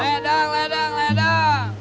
ledang ledang ledang